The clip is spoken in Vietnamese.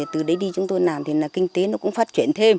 từ đấy đi chúng tôi làm thì là kinh tế nó cũng phát triển thêm